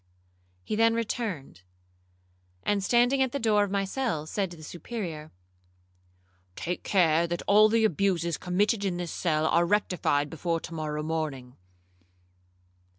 He then returned, and standing at the door of my cell, said to the Superior, 'Take care that all the abuses committed in this cell are rectified before to morrow morning.'